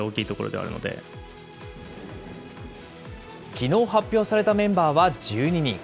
きのう発表されたメンバーは１２人。